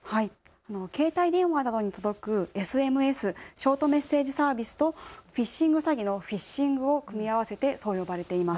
携帯電話などに届くＳＭＳ、ショートメッセージサービスとフィッシング詐欺のフィッシングを組み合わせてそう呼ばれています。